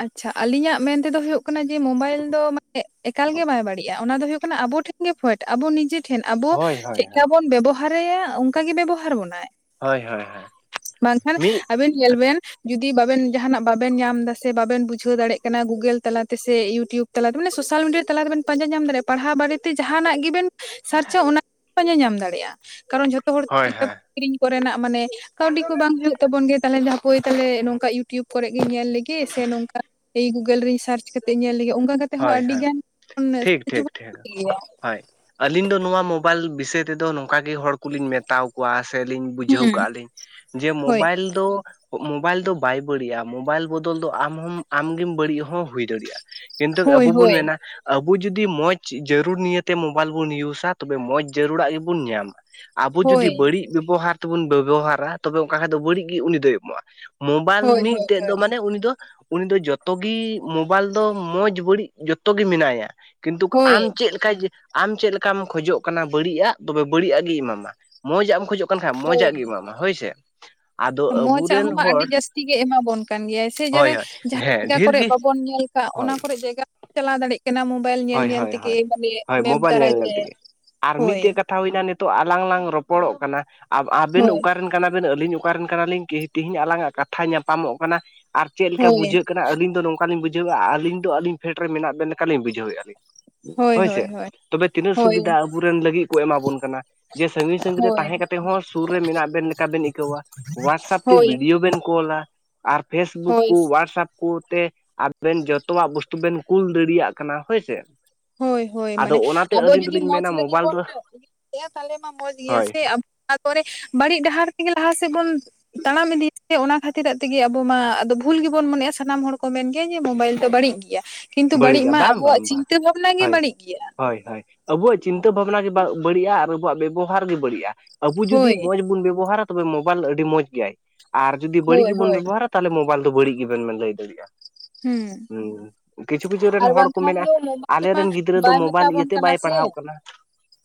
ᱟᱪᱷᱟ ᱟᱞᱤᱧᱟᱜ ᱢᱮᱱᱛᱮᱫᱚ ᱦᱳᱭᱳᱜ ᱠᱟᱱᱟ ᱡᱮ ᱢᱳᱵᱟᱭᱤᱞ ᱫᱚ ᱢᱟᱱᱮ ᱮᱠᱟᱞ ᱜᱮ ᱵᱟᱭ ᱵᱟᱹᱲᱤᱡᱜᱼᱟ ᱚᱱᱟ ᱫᱚ ᱦᱩᱭᱩᱜ ᱟᱵᱚ ᱴᱷᱮᱱ ᱯᱷᱚᱭ ᱟᱵᱚ ᱱᱤᱡᱮ ᱴᱷᱮᱱ ᱟᱵᱚ ᱦᱳᱭ ᱦᱳᱭ ᱪᱮᱫᱠᱟ ᱦᱳᱭ ᱵᱚᱱ ᱵᱮᱵᱚᱦᱟᱨ ᱵᱮᱵᱚᱦᱟᱨᱮᱭᱟ ᱚᱱᱠᱟ ᱜᱮ ᱵᱮᱵᱚᱦᱟᱨ ᱵᱚᱱᱟᱭ ᱦᱳᱭ ᱦᱳᱭ ᱦᱳᱭ [inaudible] ᱵᱟᱝᱠᱷᱟᱱ ᱢᱤᱫ ᱟᱵᱮᱱ ᱧᱮᱞ ᱵᱮᱱ ᱡᱩᱫᱤ ᱵᱟᱵᱮᱱ ᱡᱟᱦᱟᱸᱱᱟᱜ ᱵᱟᱵᱮᱱ ᱧᱟᱢ ᱮᱫᱟ ᱥᱮ ᱵᱟᱵᱮᱱ ᱵᱩᱡᱷᱟᱹᱣ ᱫᱟᱲᱮᱜ ᱠᱟᱱᱟ ᱜᱩᱜᱟᱹᱞ ᱛᱟᱞᱟᱛᱮ ᱥᱮ ᱭᱩᱴᱭᱩᱵᱽ ᱛᱟᱞᱟ ᱛᱮ ᱢᱟᱱᱮ ᱥᱳᱥᱟᱞ ᱢᱤᱰᱤᱭᱟ ᱛᱟᱞᱟ ᱛᱮᱵᱮᱱ ᱯᱟᱸᱡᱟ ᱧᱟᱢ ᱫᱟᱲᱮᱭᱟᱜ, ᱯᱟᱲᱦᱟᱣ ᱵᱟᱨᱮ ᱛᱮ ᱡᱟᱦᱟᱸᱱᱟᱜ ᱜᱮᱵᱮᱱ ᱥᱟᱨᱪᱟ ᱚᱱᱟ ᱠᱚ ᱧᱮ ᱧᱟᱢ ᱫᱟᱲᱮᱭᱟᱜᱼᱟ ᱠᱟᱨᱚᱱ ᱡᱚᱛᱚ ᱦᱚᱲ ᱦᱳᱭ ᱠᱤᱛᱟᱹᱵᱽ ᱦᱳᱭ ᱠᱤᱨᱤᱧ ᱠᱚᱨᱮᱱᱟᱜ ᱢᱟᱱᱮ ᱠᱟᱹᱣᱰᱤ ᱠᱚ ᱵᱟᱝ ᱦᱩᱭᱩᱜ ᱛᱟᱵᱚᱱ ᱜᱮᱭᱟ ᱛᱟᱦᱞᱮ ᱡᱟᱦᱟᱸ ᱵᱟᱹᱭ ᱛᱟᱦᱚᱞᱮ ᱱᱚᱝᱠᱟ ᱤᱭᱩᱴᱩᱵᱽ ᱠᱚᱨᱮ ᱜᱮ ᱧᱮᱞ ᱞᱮᱜᱮ ᱥᱮ ᱱᱚᱝᱠᱟ ᱤᱧ ᱜᱩᱜᱟᱹᱞ ᱨᱮᱧ ᱥᱟᱨᱪ ᱠᱟᱛᱮᱜ ᱧᱮᱞ ᱞᱮᱜ ᱚᱱᱠᱟ ᱠᱟᱛᱮ ᱛᱮᱦᱚᱸ ᱦᱳᱭ ᱟᱹᱰᱤ ᱦᱳᱭ ᱜᱟᱱ ᱴᱷᱤᱠ ᱴᱷᱤᱠ ᱴᱷᱤᱠ [unintelligible] ᱦᱳᱭ, ᱟᱹᱞᱤᱧ ᱫᱚ ᱱᱚᱣᱟ ᱢᱳᱵᱟᱭᱤᱞ ᱵᱤᱥᱚᱭ ᱛᱮᱫᱚ ᱱᱚᱝᱠᱟ ᱜᱮ ᱦᱚᱲ ᱠᱚᱞᱤᱧ ᱢᱮᱛᱟᱣᱟᱠᱚᱣᱟ ᱥᱮᱞᱤᱧ ᱵᱩᱡᱷᱟᱹᱣ ᱦᱩᱸ ᱠᱟᱜ-ᱟ ᱞᱤᱧ ᱡᱮ, ᱦᱳᱭ ᱢᱳᱵᱟᱭᱤᱞ ᱫᱚ ᱢᱳᱵᱟᱭᱤᱞ ᱫᱚ ᱵᱟᱭ ᱵᱟᱹᱲᱤᱡ-ᱟ ᱢᱳᱵᱟᱭᱤᱞ ᱵᱚᱫᱚᱞ ᱫᱚ ᱟᱢ ᱦᱚᱸᱢ ᱟᱢᱜᱮᱢ ᱵᱟᱹᱲᱤᱡ ᱦᱚᱸᱢ ᱦᱩᱭ ᱫᱟᱲᱮᱭᱟᱜ-ᱟ᱾ ᱮᱱᱛᱮᱫ ᱦᱳᱭ ᱟᱵᱚ ᱵᱚᱱ ᱦᱳᱭ ᱢᱮᱱᱟ ᱟᱵᱚ ᱡᱩᱫᱤ ᱢᱚᱸᱡᱽ ᱡᱟᱹᱨᱩᱲ ᱱᱤᱭᱮᱛᱮ ᱢᱳᱵᱟᱭᱤᱞ ᱵᱚᱱ ᱤᱭᱩᱡᱟ ᱛᱚᱵᱮ ᱢᱚᱸᱡᱽ ᱡᱟᱹᱨᱩᱲᱟᱜ ᱜᱮᱵᱚᱱ ᱧᱟᱢᱟ᱾ ᱟᱵᱚ ᱡᱩᱫᱤ ᱦᱳᱭ ᱵᱟᱹᱲᱤᱡ ᱵᱮᱵᱚᱦᱟᱨ ᱛᱮᱵᱚᱱ ᱵᱮᱵᱚᱦᱟᱨᱟ ᱛᱚᱵᱮ ᱚᱱᱠᱟ ᱠᱷᱟᱡ ᱫᱚ ᱵᱟᱹᱲᱤᱡ ᱜᱮ ᱩᱱᱤ ᱫᱚᱭ ᱮᱢᱚᱜ-ᱟ᱾ ᱢᱳᱵᱟᱭᱤᱞ ᱦᱳᱭ ᱦᱳᱭ ᱢᱤᱫᱴᱮᱡ ᱫᱚ ᱦᱳᱭ ᱢᱟᱱᱮ ᱩᱱᱤ ᱫᱚ ᱩᱱᱤ ᱫᱚ ᱡᱚᱛᱚᱜᱤ ᱢᱳᱵᱟᱭᱤᱞ ᱫᱚ ᱢᱚᱸᱡᱽ ᱵᱟᱹᱲᱤᱡ ᱡᱚᱛᱚ ᱜᱮ ᱢᱮᱱᱟᱭᱟ ᱠᱤᱱᱛᱩ ᱦᱳᱭ ᱟᱢ ᱪᱮᱫ ᱞᱮᱠᱟ ᱟᱢ ᱪᱮᱫ ᱞᱮᱠᱟᱢ ᱠᱷᱚᱡᱚᱜ ᱠᱟᱱᱟ ᱵᱟᱹᱲᱤᱡ ᱟᱜ ᱛᱚᱵᱮ ᱵᱟᱹᱲᱤᱡ ᱟᱜ ᱜᱮᱭ ᱮᱢᱟᱢᱟ, ᱢᱚᱸᱡᱽ ᱟᱜ ᱮᱢ ᱠᱷᱚᱡᱚᱜ ᱠᱷᱟᱡ ᱠᱟᱱ ᱠᱷᱟᱡ ᱢᱚᱸᱡᱟᱜ ᱜᱮᱭ ᱮᱢᱟᱢᱟ ᱦᱳᱭ ᱥᱮ᱾ ᱟᱫᱚ ᱢᱚᱪᱟᱜ ᱟᱵᱚᱨᱮᱱ ᱦᱚᱸ ᱢᱟ ᱟᱹᱰᱤ ᱦᱚᱲ ᱡᱟᱹᱥᱛᱤ ᱜᱮ ᱮᱢᱟ ᱵᱚᱱ ᱠᱟᱱ ᱜᱮᱭᱟᱭ ᱥᱮ ᱦᱳᱭ ᱡᱟᱨᱮ ᱦᱳᱭ ᱡᱟᱦᱟᱸ ᱦᱮᱸ ᱡᱟᱭᱜᱟ ᱰᱷᱮᱨ ᱠᱚᱨᱮᱜ ᱜᱮ ᱵᱟᱵᱚᱱ ᱧᱮᱞ ᱠᱟᱜ ᱚᱱᱟ ᱦᱳᱭ ᱠᱚᱨᱮᱜ ᱡᱟᱭᱜᱟ ᱵᱚᱱ ᱪᱟᱞᱟᱣ ᱫᱟᱲᱮᱭᱟᱜ ᱠᱟᱱᱟ ᱵᱚᱱ᱾ ᱢᱳᱵᱟᱭᱤᱞ ᱧᱮᱞ ᱦᱳᱭ ᱧᱮᱞ ᱦᱳᱭ ᱛᱮᱜᱮ ᱦᱳᱭ ᱢᱟᱱᱮ ᱦᱳᱭ ᱢᱮᱯ ᱢᱳᱵᱟᱭᱤᱞ ᱫᱟᱨᱟᱭ ᱧᱮᱞ ᱛᱮ ᱧᱮᱞ ᱛᱮᱜᱮ ᱟᱨ ᱦᱳᱭ᱾ ᱢᱤᱫᱴᱮᱡ ᱠᱟᱛᱷᱟ ᱦᱩᱭᱱᱟ ᱱᱤᱛᱚᱜ ᱟᱞᱟᱝ ᱞᱟᱝ ᱨᱚᱯᱚᱲᱚᱜ ᱠᱟᱱᱟ ᱟᱵ-ᱟᱵᱮᱱ ᱦᱳᱭ ᱚᱠᱟᱨᱮᱱ ᱠᱟᱱᱟᱵᱮᱱ ᱟᱹᱞᱤᱧ ᱚᱠᱟᱨᱮᱱ ᱠᱟᱱᱟᱞᱤᱧ ᱛᱤᱦᱤ-ᱛᱤᱦᱤᱧ ᱟᱞᱟᱝᱟᱜ ᱠᱟᱛᱷᱟ ᱧᱟᱯᱟᱢᱚᱜ ᱠᱟᱱᱟ ᱟᱨ ᱪᱮᱫ ᱞᱮᱠᱟ ᱦᱳᱭ ᱵᱩᱡᱷᱟᱹᱜ ᱠᱟᱱᱟ᱾ ᱟᱹᱞᱤᱧ ᱫᱚ ᱱᱚᱝᱠᱟᱞᱤᱧ ᱵᱩᱡᱷᱟᱹᱣᱮᱜ-ᱟ ᱟᱹᱞᱤᱧ ᱫᱚ ᱟᱹᱞᱤᱧ ᱯᱷᱮᱰ ᱨᱮ ᱢᱮᱱᱟᱜ ᱵᱮᱱ ᱞᱮᱠᱟᱞᱤᱧ ᱵᱩᱡᱷᱟᱹᱣᱮᱜ-ᱟ ᱞᱤᱧ᱾ ᱦᱳᱭ ᱦᱳᱭ ᱦᱳᱭ᱾ ᱛᱚᱵᱮ ᱛᱤᱱᱟᱹᱜ ᱦᱳᱭ ᱥᱩᱵᱤᱫᱷᱟ ᱟᱵᱚ ᱨᱮᱱ ᱞᱟᱹᱜᱤᱫ ᱠᱚ ᱮᱢᱟ ᱵᱚᱱ ᱠᱟᱱᱟ ᱡᱮ ᱥᱟᱺᱜᱤᱧ ᱥᱟᱺᱜᱤᱧ ᱨᱮ ᱦᱳᱭ ᱛᱟᱦᱮᱸ ᱠᱟᱛᱮ ᱦᱚᱸ ᱥᱩᱨ ᱨᱮ ᱢᱮᱱᱟᱜ ᱵᱮᱱ ᱞᱮᱠᱟ ᱵᱮᱱ ᱟᱹᱭ ᱟᱹᱭᱟᱹᱣᱟ, ᱣᱟᱴᱥᱮᱯ ᱛᱮ ᱦᱳᱭ ᱵᱷᱤᱰᱭᱳ ᱵᱮᱱ ᱠᱚᱞᱟ᱾ ᱟᱨ ᱯᱷᱮᱥᱵᱩᱠ ᱦᱳᱭ ᱠᱚ ᱣᱟᱴᱥᱮᱯ ᱠᱚ ᱛᱮ ᱟᱵᱮᱱ ᱡᱚᱛᱚᱣᱟᱜ ᱵᱚᱥᱛᱩ ᱵᱮᱱ ᱠᱩᱞ ᱫᱟᱲᱮᱭᱟᱜ ᱠᱟᱱᱟ ᱦᱳᱭ ᱥᱮ᱾ ᱦᱳᱭ ᱦᱳᱭ, ᱟᱫᱚ ᱢᱟᱱᱮ ᱚᱱᱟᱛᱮ ᱟᱵᱚ ᱟᱹᱞᱤᱧ ᱡᱩᱫᱤ ᱫᱚᱞᱤᱧ ᱢᱚᱸᱡᱽ ᱢᱮᱱᱟ ᱞᱟᱹᱜᱤᱫ ᱢᱳᱵᱟᱭᱤᱞ ᱵᱚᱱ ᱫᱚ ᱤᱭᱟᱹᱭᱟ ᱛᱟᱦᱚᱞᱮ ᱢᱟ ᱢᱚᱸᱡᱽ ᱜᱮᱭᱟ ᱦᱳᱭ ᱥᱮ ᱟᱵ ᱛᱟᱯᱚᱨᱮ ᱵᱟᱹᱲᱤᱡ ᱰᱟᱦᱟᱨ ᱛᱮᱜᱮ ᱞᱟᱦᱟ ᱥᱮᱫ ᱵᱚᱱ ᱛᱟᱲᱟᱢ ᱤᱫᱤᱭ ᱥᱮ ᱚᱱᱟ ᱠᱷᱟᱹᱛᱤᱨᱟᱜ ᱛᱮᱜᱮ ᱟᱵᱚ ᱢᱟ ᱵᱷᱩᱞ ᱜᱮᱵᱚᱱ ᱢᱚᱱᱮᱜ-ᱟ ᱥᱟᱱᱟᱢ ᱦᱚᱲ ᱠᱚ ᱢᱮᱱ ᱜᱮᱭᱟ ᱡᱮ ᱢᱳᱵᱟᱭᱤᱞ ᱫᱚ ᱵᱟᱹᱲᱤᱡ ᱜᱮᱭᱟ᱾ ᱠᱤᱱᱛᱩ ᱵᱟᱹᱲᱤᱡ ᱵᱟᱹᱲᱤᱡᱼᱟ ᱢᱟ ᱵᱟᱝ ᱟᱵᱚᱣᱟᱜ ᱵᱟᱝ ᱵᱟᱝ ᱪᱤᱱᱛᱟᱹ ᱵᱷᱟᱵᱽᱱᱟ ᱜᱮ ᱦᱳᱭ ᱵᱟᱹᱲᱤᱡ ᱜᱮᱭᱟ᱾ ᱦᱳᱭ ᱦᱳᱭ, ᱟᱵᱚᱣᱟᱜ ᱪᱤᱱᱛᱟᱹ ᱵᱷᱟᱵᱽᱱᱟ ᱜᱮ ᱵᱟ-ᱵᱟᱹᱲᱤᱡ-ᱟ ᱟᱨ ᱟᱵᱚᱣᱟᱜ ᱵᱮᱵᱚᱦᱟᱨ ᱜᱮ ᱵᱟᱹᱲᱤᱡ-ᱟ᱾ ᱟᱵᱚ ᱡᱩᱫᱤ ᱦᱳᱭ ᱢᱚᱸᱡᱽ ᱵᱚᱱ ᱵᱮᱵᱚᱦᱟᱨᱟ ᱛᱚᱵᱮ ᱢᱳᱵᱟᱭᱤᱞ ᱫᱚ ᱟᱹᱰᱤ ᱢᱚᱸᱡᱽ ᱜᱮᱭᱟᱭ ᱟᱨ ᱡᱩᱫᱤ ᱵᱟᱹᱲᱤᱡ ᱦᱳᱭ ᱜᱮᱵᱚᱱ ᱦᱳᱭ ᱵᱮᱵᱚᱦᱟᱨᱟ ᱛᱟᱞᱦᱮ ᱢᱳᱵᱟᱭᱤᱞ ᱫᱚ ᱵᱟᱹᱲᱤᱡ ᱜᱮᱵᱮᱱ ᱞᱟᱹᱭ ᱫᱟᱲᱮᱭᱟᱜ-ᱟ᱾ ᱦᱩᱸ᱾ ᱨᱮᱱ ᱟᱨ ᱦᱚᱲ ᱠᱚ ᱵᱟᱝᱠᱷᱟᱱ ᱢᱮᱱᱟ ᱫᱚ ᱢᱳᱵᱟᱭᱤᱞ ᱢᱟ ᱟᱞᱮᱨᱮᱱ ᱜᱤᱫᱽᱨᱟᱹ ᱫᱚ ᱵᱟᱭ ᱢᱮᱛᱟ ᱢᱳᱵᱟᱭᱤᱞ ᱵᱚᱱ ᱤᱭᱟᱹᱛᱮ ᱠᱟᱱᱟ ᱵᱟᱭ ᱥᱮ᱾ ᱯᱟᱲᱦᱟᱣ ᱠᱟᱱᱟ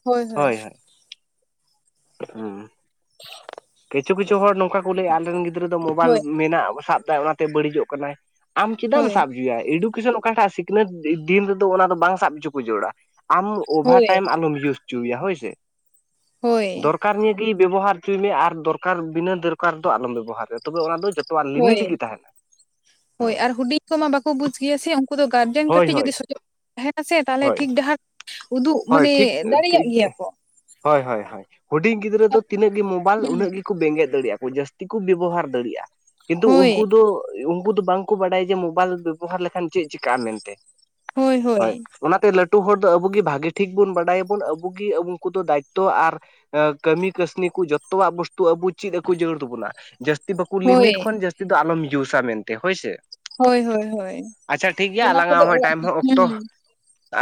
ᱦᱳᱭ ᱦᱳᱭ᱾ ᱦᱳᱭ ᱦᱳᱭ, ᱦᱩᱸ᱾ ᱠᱤᱪᱷᱩ ᱠᱤᱪᱷᱩ ᱦᱚᱲ ᱱᱚᱝᱠᱟ ᱠᱚ ᱞᱟᱹᱭᱮᱜ-ᱟ ᱟᱞᱮᱨᱮᱱ ᱜᱤᱫᱽᱨᱟᱹ ᱫᱚ ᱢᱳᱵᱟᱭᱤᱞ ᱦᱳᱭ ᱢᱮᱱᱟᱜ, ᱥᱟᱵ ᱫᱟᱭ ᱚᱱᱟᱛᱮ ᱵᱟᱹᱲᱤᱡᱚᱜ ᱠᱟᱱᱟᱭ᱾ ᱟᱢ ᱪᱮᱫᱟᱜ ᱮᱢ ᱦᱳᱭ ᱥᱟᱵ ᱚᱪᱚᱣᱟᱭ ᱮᱰᱩ ᱠᱮᱥᱚᱱ ᱚᱠᱟᱴᱟᱜ ᱥᱤᱠᱷᱱᱟᱹᱛ ᱫᱤᱱ ᱨᱮᱫᱚ ᱚᱱᱟ ᱫᱚ ᱵᱟᱝ ᱥᱟᱵ ᱦᱚᱪᱚ ᱠᱚ ᱡᱟᱹᱨᱩᱹᱲᱟ ᱟᱢ ᱚᱵᱷᱟᱨ ᱦᱳᱭ ᱴᱟᱭᱤᱢ ᱟᱞᱚᱢ ᱤᱭᱩᱡᱽ ᱚᱪᱚᱣᱟᱭᱟ ᱦᱳᱭ ᱥᱮ᱾ ᱦᱳᱭ᱾ ᱫᱚᱨᱠᱟᱨ ᱱᱤᱭᱟᱹᱜᱮ ᱵᱮᱵᱚᱦᱟᱨ ᱚᱪᱚᱭ ᱢᱮ ᱟᱨ ᱫᱚᱨᱠᱟᱨ, ᱵᱤᱱᱟᱹ ᱫᱚᱨᱠᱟᱨ ᱫᱚ ᱟᱞᱚᱢ ᱵᱮᱵᱚᱦᱟᱨᱟ᱾ ᱛᱚᱵᱮ ᱚᱱᱟ ᱫᱚ ᱡᱚᱛᱚᱣᱟᱜ ᱦᱳᱭ ᱞᱤᱢᱤᱴ ᱜᱮ ᱛᱟᱸᱦᱮᱱᱟ, ᱦᱩᱸ᱾ ᱠᱚ ᱢᱟ ᱵᱟᱠᱚ ᱵᱩᱡᱽ ᱜᱮᱭᱟ ᱥᱮ, ᱩᱱᱝᱠᱩ ᱫᱚ ᱜᱟᱨᱡᱮᱱ ᱦᱳᱭ ᱠᱟᱹᱴᱤᱡ ᱦᱳᱭ ᱡᱩᱫᱤ ᱥᱚᱡᱚᱜ ᱠᱚ ᱛᱟᱸᱦᱮᱱᱟ ᱥᱮ ᱛᱟᱦᱞᱮ ᱦᱳᱭ ᱴᱷᱤᱠ ᱰᱟᱦᱟᱨ ᱩᱫᱩᱜ ᱦᱳᱭ ᱢᱟᱱᱮ ᱴᱷᱤᱠ ᱫᱟᱲᱮᱭᱟᱜ ᱴᱷᱤᱠ ᱜᱮᱭᱟ ᱠᱚ᱾ ᱦᱳᱭ ᱦᱳᱭ ᱦᱳᱭ᱾ ᱦᱩᱰᱤᱧ ᱜᱤᱫᱽᱨᱟᱹ ᱫᱚ ᱛᱤᱱᱟᱹᱜ ᱜᱮ ᱢᱳᱵᱟᱭᱤᱞ ᱩᱱᱟᱹᱜ ᱜᱮᱠᱚ ᱵᱮᱸᱜᱮᱫ ᱫᱟᱲᱮᱭᱟᱜ-ᱟ ᱠᱚ ᱡᱟᱹᱥᱛᱤ ᱛᱮᱠᱚ ᱵᱮᱵᱚᱦᱟᱨ ᱫᱟᱲᱮᱭᱟᱜ-ᱟ, ᱠᱤᱱᱛᱩ ᱦᱳᱭ ᱩᱱᱠᱩ ᱫᱚ ᱩᱱᱠᱩ ᱫᱚ ᱵᱟᱝᱠᱚ ᱵᱟᱰᱟᱭᱟ ᱡᱮ ᱢᱳᱵᱟᱭᱤᱞ ᱵᱮᱵᱚᱦᱟᱨ ᱞᱮᱠᱷᱟᱱ ᱪᱮᱫ ᱪᱤᱠᱟᱹᱜ-ᱟ ᱢᱮᱱᱛᱮ, ᱦᱳᱭ᱾ ᱚᱱᱟ ᱛᱮ ᱞᱟᱹᱴᱩ ᱦᱚᱲ ᱫᱚ ᱟᱵᱚ ᱜᱮ ᱵᱷᱟᱹᱜᱤ ᱴᱷᱤᱠ ᱵᱚᱱ ᱵᱟᱰᱟᱭᱟᱵᱚᱱ ᱟᱵᱩ ᱜᱮ ᱟᱵᱩ ᱠᱚᱫᱚ ᱫᱟᱭᱤᱛᱛᱚ ᱟᱨ ᱠᱟᱹᱢᱤ ᱠᱟᱹᱥᱱᱤ ᱠᱚ ᱡᱚᱛᱚᱣᱟᱜ ᱵᱚᱥᱛᱩ ᱟᱵᱚ ᱪᱮᱫ ᱟᱠᱩ ᱡᱟᱹᱨᱲ ᱛᱟᱵᱚᱱᱟ ᱡᱟᱹᱥ ᱛᱤ ᱵᱟᱠᱩ ᱞᱤᱢᱤᱴ ᱦᱳᱭ ᱠᱷᱚᱱ ᱡᱟᱹᱥᱛᱤ ᱫᱚ ᱟᱞᱚᱢ ᱤᱭᱩᱥᱟ ᱢᱮᱱᱛᱮ ᱦᱳᱭ ᱥᱮ ᱦᱳᱭ ᱦᱳᱭ ᱦᱳᱭ ᱟᱪᱪᱷᱟ ᱴᱷᱤᱠᱜᱮᱭᱟ ᱚᱱᱟ ᱟᱞᱟᱝ ᱟ ᱠᱚᱫᱚ ᱦᱚᱸ ᱚᱲᱟᱜ ᱴᱟᱭᱤᱢ ᱦᱚᱸ ᱦᱮᱸ ᱚᱠᱛᱚ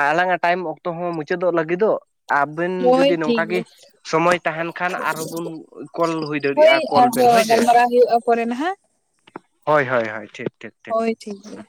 ᱟᱞᱟᱝ ᱟᱜ ᱴᱟᱭᱤᱢ ᱚᱠᱛᱚ ᱦᱚᱸ ᱢᱩᱪᱟᱹᱫᱚᱜ ᱞᱟᱹᱜᱤᱫᱚᱜ ᱟᱵᱮᱱ ᱦᱳᱭ ᱡᱩᱫᱤ ᱴᱷᱤᱠ ᱱᱚᱝᱠᱟ ᱜᱮ ᱜᱮᱭᱟ ᱥᱚᱢᱚᱭ ᱛᱟᱦᱮᱱ ᱠᱷᱟᱱ ᱟᱨᱦᱚᱸ ᱵᱚᱱ ᱠᱚᱞ ᱦᱩᱭᱩᱜ ᱦᱳᱭ ᱟᱨᱦᱚᱸ ᱜᱟᱞᱢᱟᱨᱟᱣ ᱦᱩᱭᱩᱜᱼᱟ ᱯᱚᱨᱮ ᱱᱟᱦᱟᱜ ᱦᱳᱭ ᱦᱳᱭ ᱦᱳᱭ ᱴᱷᱤᱠ ᱴᱷᱤᱠ ᱦᱳᱭ ᱴᱷᱤᱠ ᱜᱮᱭᱟ